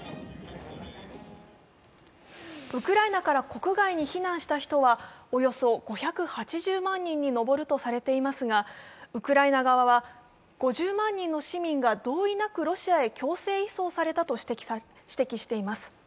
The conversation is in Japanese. ウクライナから国外に避難した人はおよそ５８０万人に上るとされていますが、ウクライナ側は５０万人の市民が同意なくロシアへ強制移送されたと指摘しています。